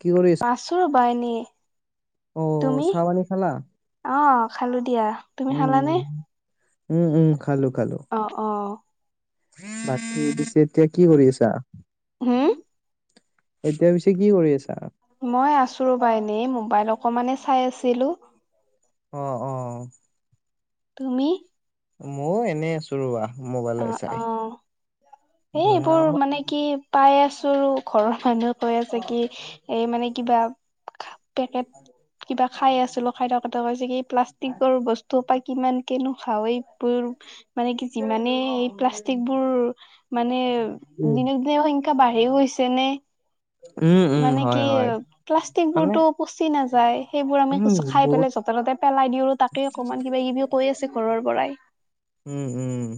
কি কৰিছ? আছো ৰবা এনেই। অ তুমি চাহ পানী খালা? অঁ, খালো দিয়া। তুমি খালানে? উম উম, উম, খালো -খালো। অঁ, অঁ। বাকী? তেতিয়া কি কৰি আছা, হুম এতিয়া পিছে কি কৰি আছা? মই আছো, ৰবা এনেই মোবাইল অকমানে চাই আছিলো। অঁ, অঁ। তুমি? ময়ো এনেই আছোঁ ৰবা অ মোবাইলৈ অ চাই। এই ধৰা এইবোৰ আমাৰ মানে- কি পাই আছো আৰু ঘৰৰ মানুহে কৈ আছে কি এই মানে কিবা- তেখেত কিবা- খাই আছিলো, খাই থাকোতে কৈছে কি, এই প্লাষ্টিকৰ বস্তু পৰা কিমান কে নোখাও? এইবোৰ- মানে কি যিমানে প্লাষ্টিক বোৰ- মানে উম। দিনক দিনে সংখ্যা বাঢ়িও গৈছে নে? উম উম মানে কি হয় হয় প্লাষ্টিক মানে বোৰতো- পচি নাযায়। সেইবোৰ আমি উম খাই বহুত পেলাই য'তে- ততে পেলাই দিওঁ আৰু তাকেই অকণমান কিবা কিবি- কৈ আছে ঘৰৰ পৰাই। উম, উম।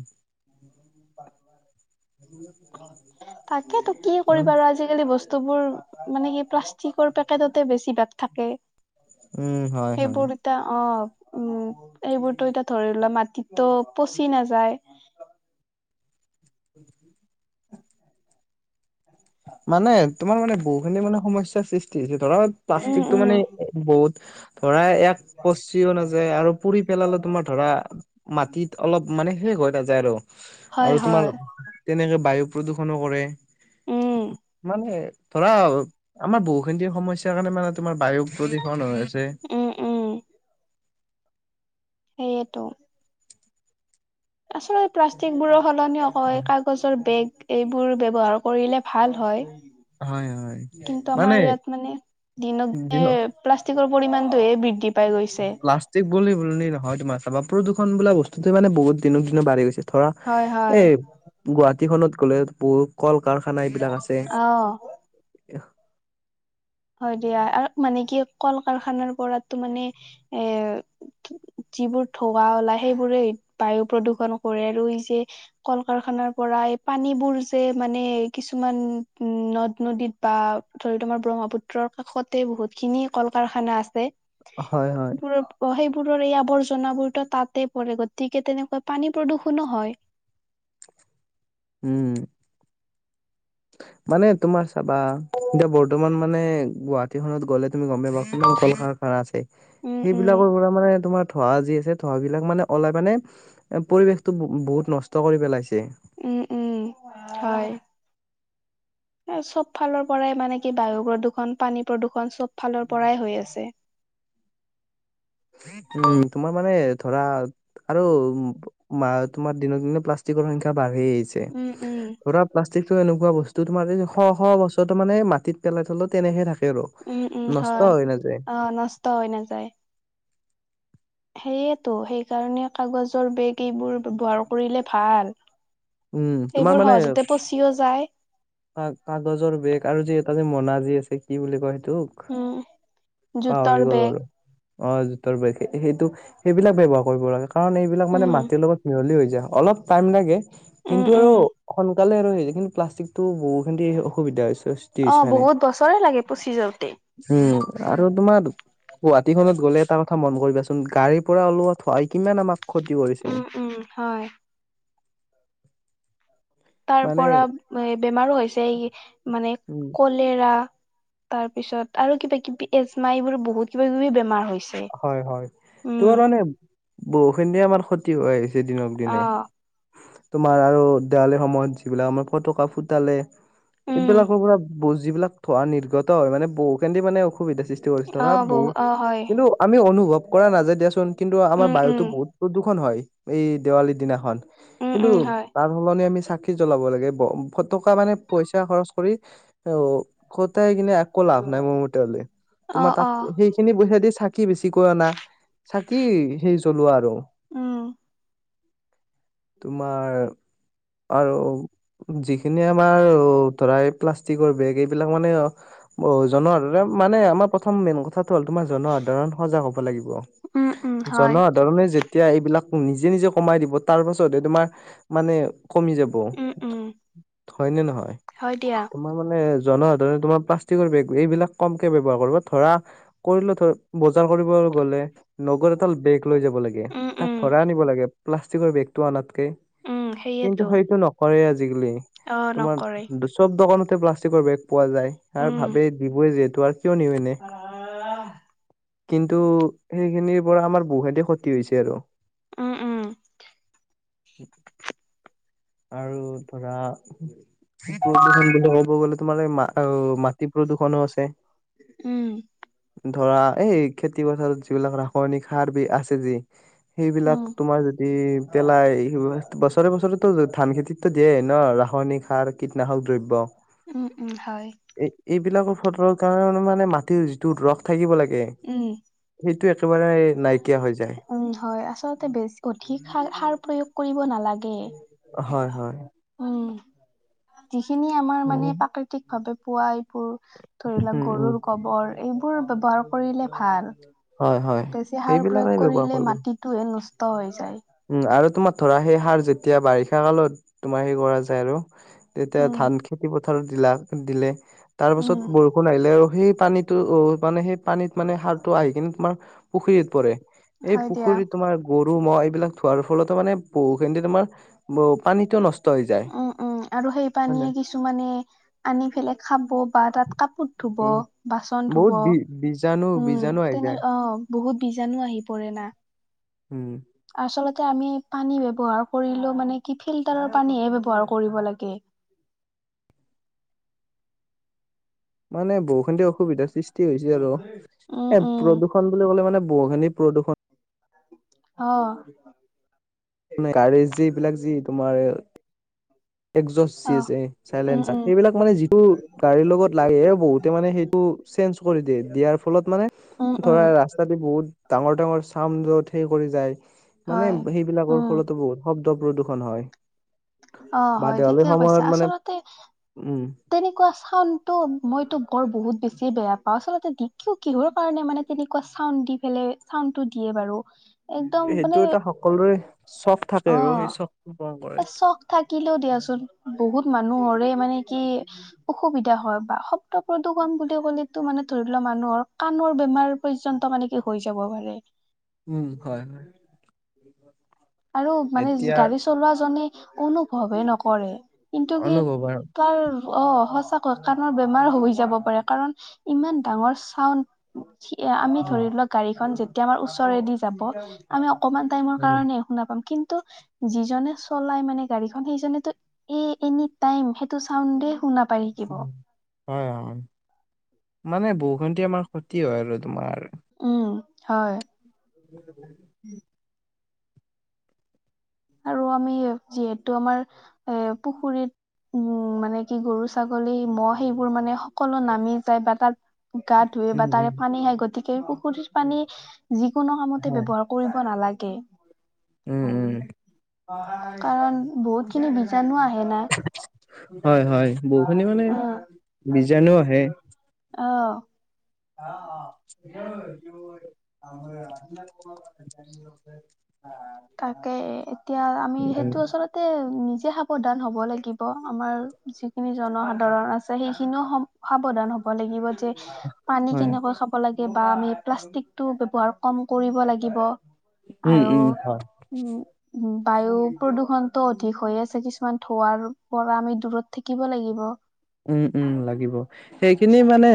তাকেতো কি কৰিবা মানে আৰু আজিকালি বস্তুবোৰ মানে কি প্লাষ্ট- প্লাটিকৰ পেকেটতে বেছি ভাগ থাকে। উম, হয় -হয়। সেইবোৰ এতিয়া অঁ, উম এইবোৰতো এতিয়া ধৰি লোৱা মাটিতো পচি নাযায়। উম। মানে তোমাৰ মানে বহুখিনি মানে সমস্যা সৃষ্টি- ধৰা উম প্লাষ্টিকটো উম মানে বহুত- ধৰা ইয়াক পচিও নাযায় আৰু পুৰি পেলালে তোমাৰ ধৰা মাটিত- অলপ মানে শেষ হৈ নাযায় আৰু হয় আৰু হয় তোমাৰ তেনেকে বায়ু প্ৰদূষণো কৰে। উম মানে ধৰা- আমাৰ বহুখিনি সমস্যাৰ কাৰণে মানে তোমাৰ বায়ু প্ৰদূষণ হৈ আছে। উম উম সেয়েতো। আচলতে প্লাষ্টিক বোৰৰ সলনি হয় ক- গছৰ বেগ, এইবোৰ ব্যৱহাৰ কৰিলে ভাল হয়। হয় হয় কিন্তু মানে আমাৰ ইয়াত মানে দিনক দিনত দিনে- প্লাষ্টিকৰ পৰিমাণটোহে বৃদ্ধি- পাই গৈছে। প্লাষ্টিক বুলি বুলি নহয় তোমাৰ চাবা প্ৰদূষণ বোলা বস্তুটো মানে বহুত দিনক দিনে বাঢ়ি গৈছে। ধৰা হয় হয় এই গুৱাহাটীখনত গ'লে বহুত কল কাৰখানা এইবিলাক আছে। অ'। হয় দিয়া আৰু মানে কি কল কাৰখানাৰ পৰাতো মানে এ যিবোৰ ধোৱা ওলাই সেইবোৰে বায়ু প্ৰদূষন কৰে আৰু এই যে কল - কাৰখানাৰ পৰা এই পানীবোৰ যে মানে কিছুমান উম, নদ - নদীত বা ধৰি তোমাৰ ব্ৰহ্মপুত ত্ৰৰ কাষতে বহুতখিনি কল - কাৰখানা আছে। হয় হয় [unintelligible] অ, সেইবোৰৰ এই আৱৰ্জনাবোৰতো তাতেই পৰে গতিকে তেনেকৈ পানী প্ৰদূষণো হয়। উম। মানে তোমাৰ চাবা এতিয়া বৰ্তমান মানে গুৱা টিখনত গ'লে তুমি গম পাবা কিমান কল কাৰখানা আছে উম সেইবিলাকৰ পৰা উম। মানে তোমাৰ ধোঁৱা যি আছে ধোঁৱাবিলাক মানে ওলাই মানে এ পৰিৱেশটো ব বহুত নষ্ট কৰি পেলাইছে। উম - উম হয়। এ চবফালৰ পৰাই মানে কি বায়ু প্ৰদূষণ, পানী প্ৰদূষন চবফালৰ পৰাই হৈ আছে। উম, তোমাৰ মানে ধৰা আৰু মা তোমাৰ দিনক দিনে প্লাচ টিকৰ সংখ্যা বাঢ়ি আহিছে উম উম ধৰা প্লাছ টিকটো এনেকুৱা বস্তু তোমাৰ এই শ - শ বছৰটো মানে মাটিত পেলাই থলে তেনেহে থাকে আৰু নষ্ট হয় নাযায়। ত হৈ নাযায়। সেয়েতো সেইকাৰণে কাগজৰ বেগ এইবোৰ ব্যৱহাৰ কৰিলে ভাল। উম, তোমাৰ সেইবোৰ সহজতে পচিও যায়। হয় কাগজৰ বেগ আৰু যে এটা যে মনা যি আছে কি বুলি কয় সেইটোক? উম জোতৰ পাহৰি গ'ল বেগ আৰু অ জোতৰ বেগ সে সেইটো সেইবিলাক ব্যৱহাৰ কৰিব লাগে কাৰণ এইবিলাক মানে উম মাটিৰ লগত মিহলি হৈ যায় অলপ টাইম লাগে। উম কিন্তু আৰু উম সোনকালে আৰু সেই কিন্তু প্লাষ্টিকটো বহুখিনি অসুবিধা হৈছে। অ, হৈছে মানে বহুত বছৰে লাগে পচি যাওতে। উম আৰু তোমাৰ গুৱাহাটীখনত গ'লে এটা কথা মন কৰিবাচোন গাড়ীৰ পৰা ওলোৱা থোৱাই কিমান আমাক ক্ষতি কৰিছে। উম উম, হয়। তাৰ মানে পৰা এ বেমাৰো হৈছে এই মানে উম কলেৰা। তাৰ পিছত আৰু কিবা - কিবি এজমা এইবোৰ বহুত কিবা - কিবি বেমাৰ হৈছ হয় - হয়, তোৰ মানে বহুখিনিয়ে আমাৰ ক্ষতি হৈ আহিছে দিনক দিনে। অ', তোমাৰ আৰু দেৱালীৰ সময়ত যিবিলাক আমাৰ ফটকা ফুটালে। উম। এইবিলাকৰ পৰা ব যিবিলাক ধোৱা নিৰ্গত হয় মানে বহু কেইদিন মানে অসুবিধা সৃষ অ', [unintelligible] ব বহু অ', হয়। কিন্তু আমি অনুভৱ কৰা নাযায় দিয়াচোন কিন্তু আমাৰ উম, বায়ুতো উম। বহুত প্ৰদূষণ হয়। এই দেৱালীৰ দিনাখন উম, কিন্তু উম, হয়। তাৰ সলনি আমি চাকি কি জ্বলাব লাগে, ব ফটকা মানে পইচা খৰচ কৰি অহ কটাই কিনে একো লাভ নাই মোৰ মতে হলে, তোমাৰ অ', তাত অ'। সেইখিনি পইচা দি চা কি বেছিকৈ অনা, চাকি হেৰি জ্বলোৱা আৰু। উম, তোমাৰ আৰু যিখিনি আমাৰ ধৰা এই প্লাষ্টিকৰ বেগ এইবিলাক মানে ব জনোৱাৰ মানে আমাৰ প্ৰথম মেইন কথাটো হ'ল তোমাৰ জনোৱা কাৰণ সজাগ হব লাগিব, উম, উম, হয়। জনসাধাৰনে যে এতিয়া এইবিলাক নিজে নিজে কমাই দিব তাৰ পাছতহে তোমাৰ মানে কমি যাব। উম, উম, হয়নে নহয় হয় দিয়া আমাৰ মানে জনসাধাৰণে তোমাৰ প্লাষ্টিকৰ বেগ এইবিলাক কমকে ব্যৱহাৰ কৰিব ধৰা কৰিলে ধৰ বজাৰ কৰিব গ'লে নগদ এডাল বেগ লৈ যাব লাগে উম, তাত ভৰাই আনিব উম। লাগে প্লাষ্টিকৰ বেগটো আনাতকে উম কিন্তু সেইয়েতো সেইটো নকৰে আজি-কালি অ নকৰে তোমাৰ চব দোকানতে প্লা- ষ্টিকৰ বেগ পোৱা যায় আৰু উম ভাবেই দিবই যিহেতু আৰু কিয় নিও এনেই কিন্তু সেইখিনিৰ পৰা আমাৰ বহুতে ক্ষতি হৈছে আৰু। উম উম আৰু ধৰা প্ৰদূষণ বুলি ক'ব গলে তোমাৰ এই মা- আৰু মাটি প্ৰদূৰ্ষণো আছে। উম ধৰা এই খেতি পথাৰত যিবিলাক ৰাসায়নিক সাৰ বি আছে যি সেইবিলাক উম তোমাৰ যদি পেলাই এইবোৰত বছৰে বছৰে টো ধান খেতিতো দিয়ে ন ৰাসায়নিক সাৰ, কীটনাশক দ্ৰব্য উম হয় এই এইবিলাকৰ ফলৰ কাৰণে মানে মাটিৰ থাকিব লাগে। উম সেইটোৱে একেবাৰে নাইকিয়া হৈ যায়। উম হয় আচলতে বেছি অধিক সাৰ সাৰ প্ৰয়োগ কৰিব নালাগে। হয় হয়। উম যিখিনি আমাৰ মানে প্ৰাকৃতিক ভাৱে পোৱা এইবোৰ ধৰি লওক উম উম গৰুৰ গবৰ এইবোৰ ব্যৱহাৰ কৰিলে ভাল। হয় হয় বেছি সাৰ সেইবিলাকে প্ৰয়োগ ব্যৱহাৰ কৰিলে কৰিব মাটিটোহে নষ্ট হৈ যায়। উম আৰু তোমাৰ ধৰা সেই সাৰ যেতিয়া বাৰিষা কালত তোমাৰ হেৰি কৰা যায় আৰু তেতিয়া উম। ধান খেতি পথাৰত দিলা দিলে তাৰ উম। পাছত বৰ ষুণ আহিলে আৰু সেই পানীটো অ মানে সেই পানীত মানে সাৰটো আহি কিনে তোমাৰ পুখুৰীত পৰে। এই হয় দিয়া। পুখুৰীত তোমাৰ গৰু, ম'হ এইবিলাক থোৱাৰ ফলতো মানে বহুখিনিতে তোমাৰ পানীটো নষ্ট হৈ যায়। উম, উম আৰু সেই হয় পানীয়ে নে কিছুমানে আনি পেলাই খাব বা তাত কাপোৰ ধুব, উম বাচন ধুব বহুত বি বীজাণু উম বীজাণু আহি তেনে যায় অ বহুত বীজাণু আহি পৰে না উম আচলতে আমি পানী ব্যৱহাৰ কৰিলেও মানে কি ফিল্টাৰৰ পানীহে ব্যৱহাৰ কৰিব লাগে। মানে বৰষুণ দিয়ক অসুবিধা সৃষ্টি হৈছে আৰু উম এ উম প্ৰদূষণ বুলি ক'লে মানে বহুখিনি প্ৰদূষণ অ গাড়ী যি এইবিলাক যি তোমাৰ একজজ চি অ এছ এ উম চাইলেঞ্চাৰ উম সেইবিলাক মানে যিটো গাড়ীৰ লগত লাগে বহুতে মানে সেইবোৰ চেইঞ্জ কৰি দিয়ে দিয়াৰ ফলত মানে উম উম ধৰা ৰাস্তাদি বহুত ডাঙৰ ডাঙৰ চাম য'ত সেই কৰি যায় মানে হয় সেই বিলাকৰ উম ফলতো বহুত শব্দ প্ৰদূষণ হয়। অ বা হয় দেৱালীৰ ঠিকে কৈছে সময়ত মানে আচলতে উম তেনেকুৱা চাউনটো মইতো বৰ বহুত বেছি বেয়া পাওঁ আচলতে দিকিও কিহৰ কাৰণে মানে তেনেকুৱা চাউণ্ড দি পেলে চাউণ্ডটো দিয়ে বাৰু একদম মানে সেইটো এটা সকলোৰে চখ অ থাকে আৰু। সেই চখ এ চখ থাকিলেও দিয়াচোন। বহুত মানুহৰে মানে কি অসুবিধা হয় বা শব্দ প্ৰদূষণ বুলি ক'লেটো মানে ধৰি লোৱা, মানুহৰ কাণৰ বেমাৰ পৰ্যন্ত মানে কি হৈ যাব পাৰে। উম, হয়- হয়। আৰু মানে এতিয়াৰ গাড়ী চলোৱাজনে কোনো ভয় নকৰে। কিন্তু কি অনুভৱ আৰু কাৰ অ, সঁচাকৈ কাণৰ বেমাৰ হৈ যাব পাৰে। কাৰণ ইমান ডাঙৰ চাউণ্ড আমি ধৰি লোৱা গাড়ীখন যেতিয়া আমাৰ ওচৰেদি যাব আমি অকমান টাইমৰ উম কাৰণে একো শুনা নাপাম। কিন্তু যিজনে চলাই মানে গাড়ীখন সেইজনেটো এ এনি টাইম সেইটো চাউণ্ডদে শুনা পাই। থাকিব হয়- হয়, মানে বহুখিনি আমাৰ ক্ষতি হয় আৰু তোমাৰ। উম, হয়। আৰু আমি যিহেতু আমাৰ এ পুখুৰীত উম, মানে কি গৰু ছাগলী, মহ' সেইবোৰ মানে সকলো নামি যায়, বা তাত গা ধুৱে বা উম উম তাৰে পানী খায়। গতিকে সেই পুখুৰীৰ পানী যিকোনো কামতে হয় ব্যৱহাৰ কৰিব নালাগে। উম উম কাৰণ বহুত খিনি বীজাণু আহে না। হয়- হয়, বহুখিনি মানে অ বীজাণু আহে। অ। অ- অ- আ। তাকে হে এতিয়া আমি সেইটো আচলতে তে নিজে সাৱধান হ'ব লাগিব আমাৰ, যিখিনি জনসাধাৰণ আছে। সেইখিনিও সম সাৱধান হ'ব লাগিব যে পানী হয় কেনেকৈ খাব। লাগে বা আমি প্লাষ্টিক টো ব্যবহাৰ কম কৰিব লাগিব। উম- আৰু উম, হয়। উম, বায়ু প্ৰদূষণতটো অধিক হৈ আছে। কিছুমান থুৱাৰ পৰা আমি দূৰত থাকিব লাগিব। উম- উম, লাগিব। সেইখিনি মানে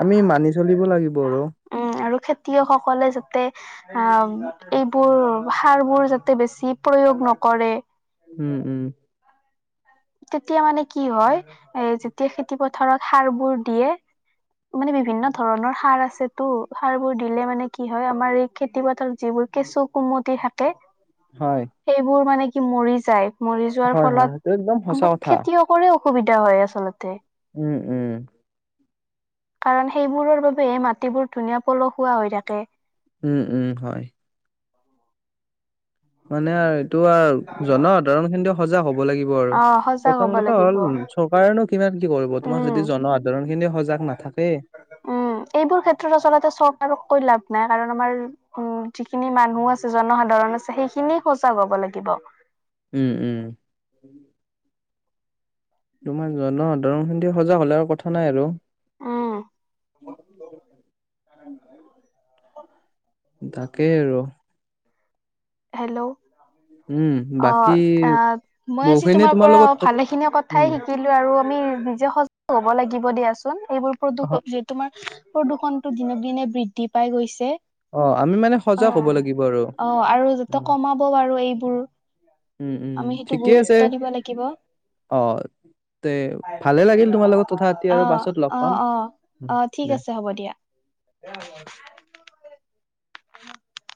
আমি মানি চলিব লাগিব আৰু। উম, আৰু খেতিয়কসকলে যাতে অ, এইবোৰ সাৰ বোৰ যাতে তে বেছি প্ৰয়োগ নকৰে। উম- উম। তেতিয়া মানে কি হয়, এ যেতিয়া খেতি পথাৰত সাৰ বোৰ দিয়ে মানে বিভিন্ন ধৰণৰ সাৰ আছে। তটো সাৰ বোৰ দিলে মানে কি হয়, আমাৰ এই খেতি পথাৰ যিবোৰ কেঁচু কুমতি থাকে। হয়। সেইবোৰ মানে কি মৰি যায়। মৰি যোৱাৰ হয় হয় ফলত সেইটো একদম সঁচা আমাৰ কথা খেতিয়কৰে অসুবিধা হয় আচলতে। উম- উম। কাৰণ সেইবোৰৰ বাবেহে মাটিবোৰ ধুনীয়া পলসুৱা হৈ থাকে। উম- উম, হয়। মানে আৰু টো আওঁ, জনসাধাৰণ কিন্তু সজাগ হ'ব লাগিব আৰু। অ সজাগ প্ৰথম হব কথা লাগিব হ'ল চৰকাৰেনো কিমান কি কৰিব, তোমাৰ উম যদি জনসাধাৰণ খিনি সজাগ নাথাকে। উম, এইবোৰ ক্ষেত্ৰত আচলতে চৰকাৰককৈ লাভ নাই। কাৰণ আমাৰ উম, যিখিনি মানুহ আছে জনসাধাৰণ আছে। সেইখিনি সজাগ হব লাগিব। উম উম তোমাৰ জনসাধাৰণ খিনি সজাগ হলে আৰু কথা নাই আৰু, উম [inaudible] তাকেই আৰু হেল্ল' উম অ বাকী আহ মই আজি বহুখিনি তোমাৰ পৰা লগত ক ভালেখিনি উম কথাই শিকিলো লো আৰু আমি নিজে সজাগ হব লাগিব দিয়া চোন এইবোৰ অহ প্ৰদূষ যি তোমাৰ প্ৰদূষণ টো দিনক দিনে বৃদ্ধি পাই গৈছে। অ আমি মানে সজাগ হব লাগিব আৰু, ত উম কমাব পাৰো এইবোৰ। উম উম আমি সেইটো ঠিকে আছে গুৰুত্ব দিব লাগিব। অ তে ভালে লাগিল তোমাৰ লগত কথা পাতি অ আৰু পাছত লগ অ পাম অ উম, অ দে ঠিক আছে হ'ব দিয়া। [inaudible] উম [unintelligible]